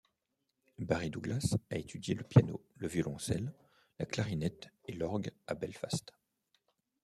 Barry Douglas a étudié le piano, le violoncelle, la clarinette et l’orgue à Belfast.